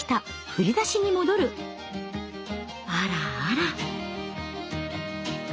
あらあら。